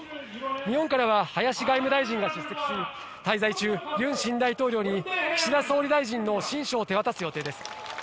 日本からは林外務大臣が出席し、滞在中ユン新大統領に岸田総理大臣の親書を手渡す予定です。